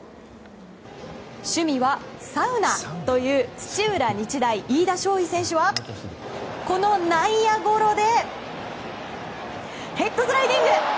趣味はサウナという土浦日大、飯田将生選手はこの内野ゴロでヘッドスライディング！